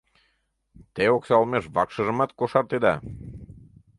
Те окса олмеш вакшыжымат кошартеда.